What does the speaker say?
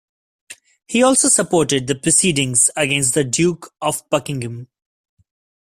He also supported the proceedings against the Duke of Buckingham.